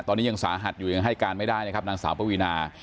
ตอนนี้ยังสาหัสอยู่ยังให้การไม่ได้นะครับนางสาวปวีนา